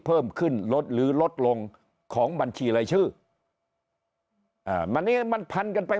เพิ่มขึ้นลดหรือลดลงของบัญชีรายชื่ออ่าวันนี้มันพันกันไป